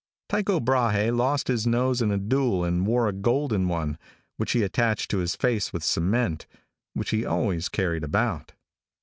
Tycho Brahe lost his nose in a duel and wore a golden one, which he attached to his face with cement, which he always carried about.